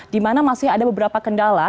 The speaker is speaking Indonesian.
dimana masih ada beberapa kendala